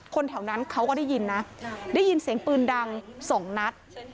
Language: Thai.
แถวนั้นเขาก็ได้ยินนะได้ยินเสียงปืนดังสองนัด